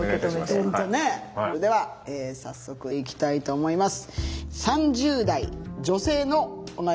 それでは早速いきたいと思います。